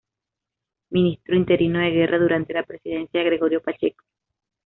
Ministro Interino de Guerra durante la presidencia de Gregorio Pacheco.